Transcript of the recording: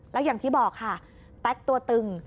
แล้วอย่างที่บอกค่ะแต๊กตัวตึง